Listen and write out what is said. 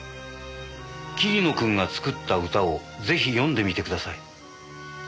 桐野君が作った歌をぜひ読んでみてください。